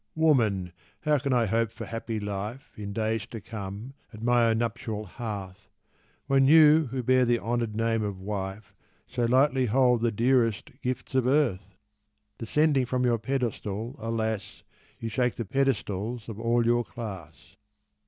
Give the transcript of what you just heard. Woman, how can I hope for happy life In days to come at my own nuptial hearth, When you who bear the honoured name of wife So lightly hold the dearest gifts of earth? Descending from your pedestal, alas! You shake the pedestals of all your class.